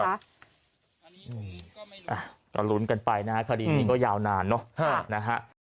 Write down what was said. อันนี้ก็ไม่รู้ก็รุ้นกันไปนะฮะคดีนี้ก็ยาวนานเนอะฮะนะฮะ